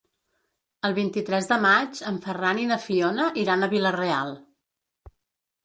El vint-i-tres de maig en Ferran i na Fiona iran a Vila-real.